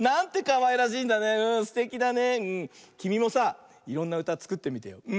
きみもさいろんなうたつくってみてよ。